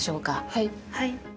はい。